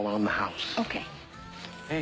はい。